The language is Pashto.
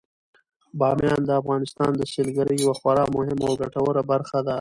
بامیان د افغانستان د سیلګرۍ یوه خورا مهمه او ګټوره برخه ده.